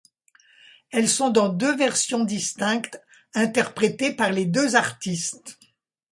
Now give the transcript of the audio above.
Elle sort dans deux versions distinctes interprétées par les deux artistes.